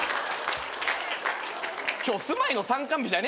今日住まいの参観日じゃねえんだぞ。